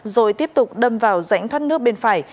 rồi tiếp tục đâm vào rãnh thoát nước bên phải